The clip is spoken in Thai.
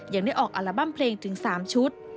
ยังได้ออกอัลบั้มเพลงถึง๓ชุด